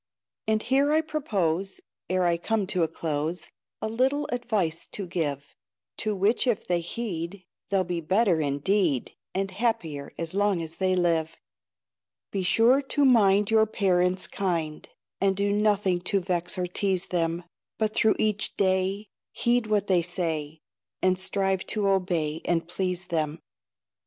And here I propose, Ere I come to a close, A little advice to give; To which if they heed, They'll be better indeed, And happier as long as they live. Be sure to mind Your parents kind, And do nothing to vex or tease them; But through each day Heed what they say, And strive to obey and please them.